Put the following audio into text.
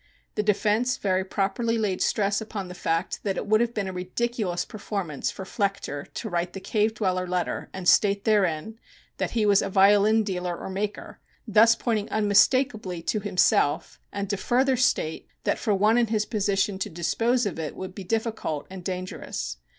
The defense very properly laid stress upon the fact that it would have been a ridiculous performance for Flechter to write the "Cave Dweller" letter and state therein that he was "a violin dealer or maker," thus pointing, unmistakably, to himself, and to further state that for one in his position to dispose of it would be difficult and dangerous.